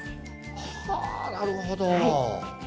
はあなるほど。